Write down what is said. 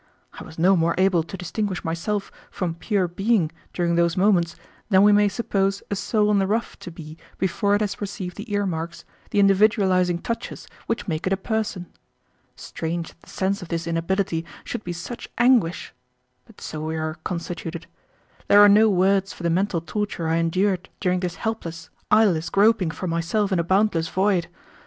I was no more able to distinguish myself from pure being during those moments than we may suppose a soul in the rough to be before it has received the ear marks, the individualizing touches which make it a person. Strange that the sense of this inability should be such anguish! but so we are constituted. There are no words for the mental torture I endured during this helpless, eyeless groping for myself in a boundless void.